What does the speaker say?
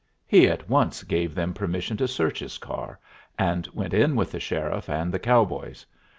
He at once gave them permission to search his car, and went in with the sheriff and the cowboys.